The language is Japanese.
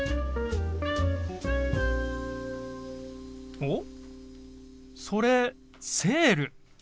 おっそれ「セール」。